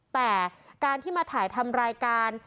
แต่การที่มาถ่ายทำรายการ